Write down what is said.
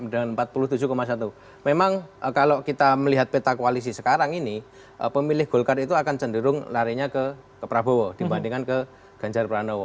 dengan empat puluh tujuh satu memang kalau kita melihat peta koalisi sekarang ini pemilih golkar itu akan cenderung larinya ke prabowo dibandingkan ke ganjar pranowo